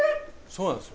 そうなんです